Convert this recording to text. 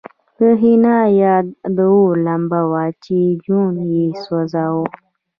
د حنا یاد د اور لمبه وه چې جون یې سوځاوه